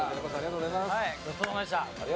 ごちそうさまでした。